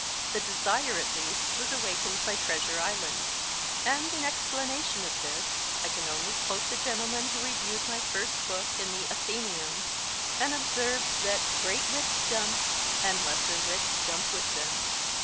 The desire, at least, was awakened by Treasure Island, and, in explanation of this, I can only quote the gentleman who reviewed my first book in the Athenceum, and observed that great wits jump, and lesser wits jump with them.